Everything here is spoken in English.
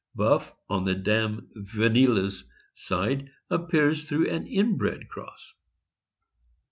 Buff, on the dam, Yenilia's side, appears through an inbred cross.